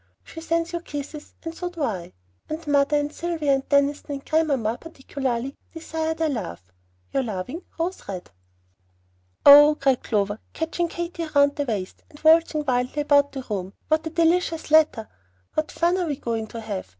She sends you a kiss, and so do I; and mother and Sylvia and Deniston and grandmamma, particularly, desire their love. Your loving ROSE RED. "Oh," cried Clover, catching Katy round the waist, and waltzing wildly about the room, "what a delicious letter! What fun we are going to have!